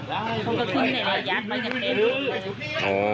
ก็ต้องขึ้นชุดอ่ะ